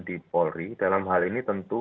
di polri dalam hal ini tentu